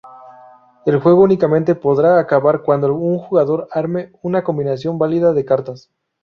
El juego únicamente podrá acabar cuando un jugador arme una combinación válida de cartas.